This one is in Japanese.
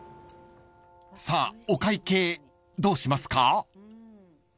［さあお会計どうしますか？］